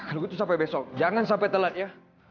lalu itu sampai besok jangan sampai telat ya